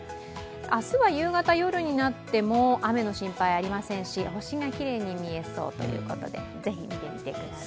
明日は夕方夜になっても雨の心配はありませんし、星がきれいに見えそうということで、ぜひ見てみてください。